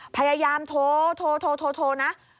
พยายามโทรนะ